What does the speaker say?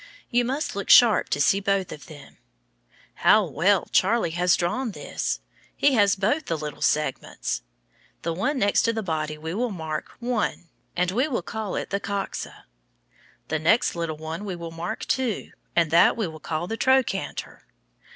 You must look sharp to see both of them. How well Charlie has drawn his! He has both the little segments. The one next the body we will mark I, and we will call it the coxa. The next little one we will mark II, and that we will call the trochanter.